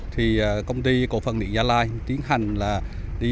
thì công ty cổ phần điện gia lai tiến hành là đi